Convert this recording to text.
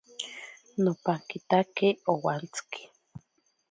Nopankitatye owantsiki.